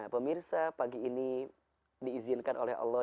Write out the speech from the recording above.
pemirsa pagi ini diizinkan oleh allah